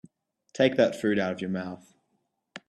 Take that food out of your mouth.